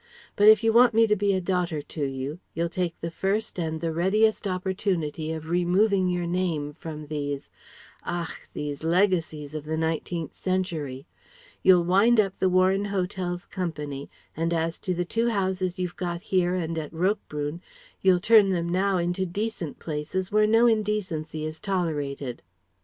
But if you want me to be a daughter to you, you'll take the first and the readiest opportunity of removing your name from these ach! these legacies of the Nineteenth century. You'll wind up the Warren Hotels' Company, and as to the two houses you've got here and at Roquebrune, you'll turn them now into decent places where no indecency is tolerated."